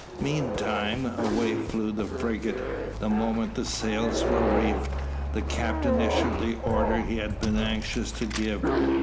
Meantime away flew the frigate. The moment the sails were reefed, the captain issued the orders he had been anxious to give.